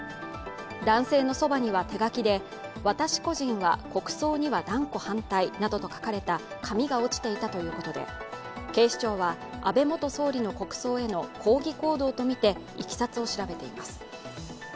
男性のそばには手書きで、私個人は国葬には断固反対などと書かれた紙が落ちていたということで、警視庁は安倍元総理の国葬への抗議行動とみていきさつを調べています。